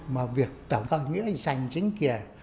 mà việc tổng khởi nghĩa dành chính kia